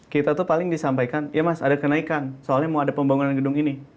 kita tuh paling disampaikan ya mas ada kenaikan soalnya mau ada pembangunan gedung ini